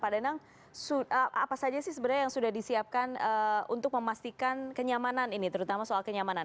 pak danang apa saja sih sebenarnya yang sudah disiapkan untuk memastikan kenyamanan ini terutama soal kenyamanan